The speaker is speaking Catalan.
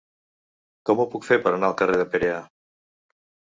Com ho puc fer per anar al carrer de Perea?